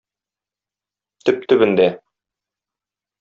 Төп төбендә.